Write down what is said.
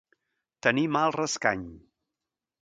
Tenir mal rascany.